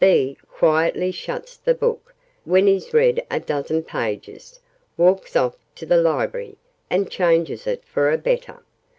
B quietly shuts the book, when he's read a dozen pages, walks off to the Library, and changes it for a better!